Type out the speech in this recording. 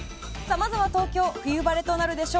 まずは東京は冬晴れとなるでしょう。